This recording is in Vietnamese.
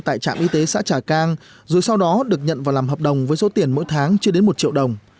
tại trạm y tế xã trà cang rồi sau đó được nhận và làm hợp đồng với số tiền mỗi tháng chưa đến một triệu đồng